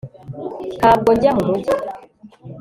ntabwo njya mumujyi